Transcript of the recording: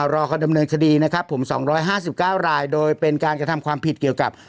รอเขาดำเนินคดีนะครับผม๒๕๙รายโดยเป็นการกระทำความผิดเกี่ยวกับ